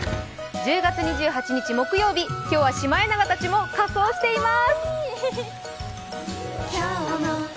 １０月２８日木曜日、今日はシマエナガたちも仮装しています。